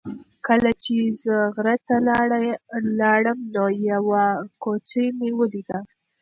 کله چې زه غره ته لاړم نو یوه کوچۍ مې ولیده.